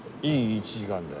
１時間で。